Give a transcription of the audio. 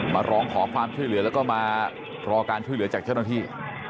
มาร้องขอความช่วยเหลือแล้วก็มารอการช่วยเหลือจากเจ้าหน้าที่